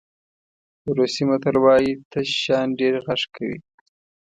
روسي متل وایي تش شیان ډېر غږ کوي.